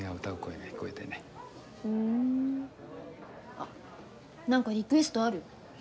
あっ何かリクエストある？